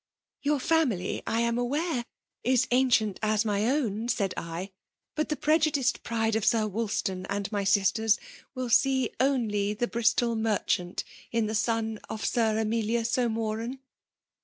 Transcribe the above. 'Your family, I am aware, is ancient as my own,' said I ;' but the prejudiced pride of Sir Wolstan and my sisters will see only the Bristol merchant in the son of Sir Emilius O^Moran.'